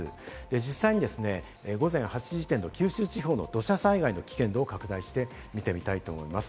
実際に午前８時時点の九州地方の土砂災害の危険度を拡大して見ていきたいと思います。